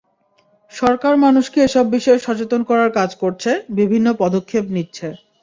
সরকার মানুষকে এসব বিষয়ে সচেতন করার কাজ করছে, বিভিন্ন পদক্ষেপ নিচ্ছে।